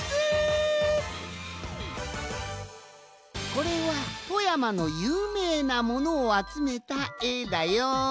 これは富山のゆうめいなものをあつめたえだよん。